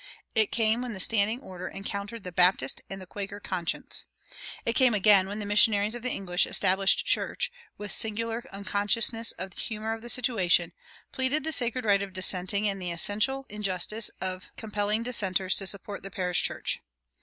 It came when the "standing order" encountered the Baptist and the Quaker conscience. It came again when the missionaries of the English established church, with singular unconsciousness of the humor of the situation, pleaded the sacred right of dissenting and the essential injustice of compelling dissenters to support the parish church.